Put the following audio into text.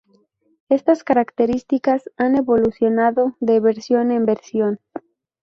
Estas características han evolucionado de versión en versión.